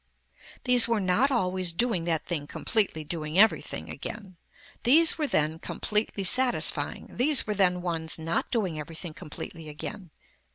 These were not always doing that thing completely doing everything again. These were then completely satisfying, these were then ones not doing everything completely again.